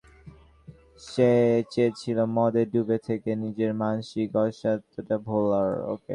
সে চেয়েছিল মদে ডুবে থেকে নিজের মানসিক অসহায়ত্বটা ভোলার!